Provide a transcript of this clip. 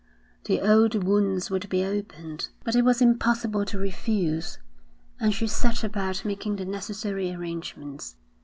The old wounds would be opened. But it was impossible to refuse, and she set about making the necessary arrangements.